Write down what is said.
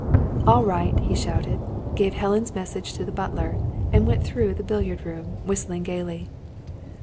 "All right!" he shouted; gave Helen's message to the butler; then went through the billiard room, whistling gaily.